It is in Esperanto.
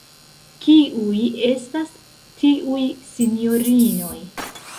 Kiuj estas tiuj sinjorinoj?